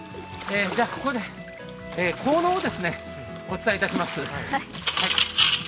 ここで効能をお伝えいたします。